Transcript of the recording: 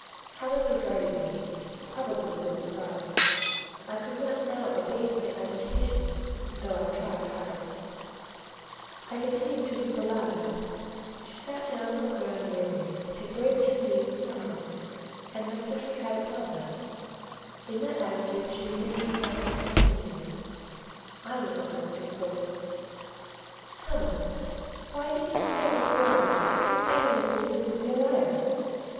Helen regarded me, probably with surprise: I could not now abate my agitation, though I tried hard; I continued to weep aloud. She sat down on the ground near me, embraced her knees with her arms, and rested her head upon them; in that attitude she remained silent as an Indian. I was the first who spoke— "Helen, why do you stay with a girl whom everybody believes to be a liar?"